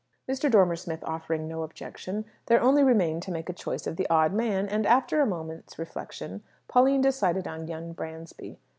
Mr. Dormer Smith offering no objection, there only remained to make choice of the "odd man," and, after a moment's reflection, Pauline decided on young Bransby.